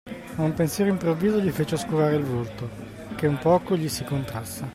Ma un pensiero improvviso gli fece oscurare il volto, che un poco gli si contrasse.